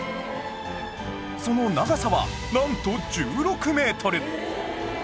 その長さはなんと１６メートル